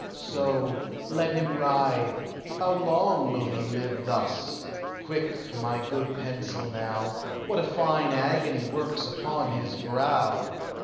"So let him writhe! How long Will he live thus? Quick, my good pencil, now! What a fine agony works upon his brow!